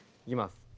いきます。